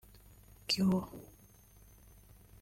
“Kioo”